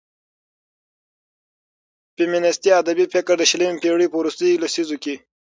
فيمينستي ادبي فکر د شلمې پېړيو په وروستيو لسيزو کې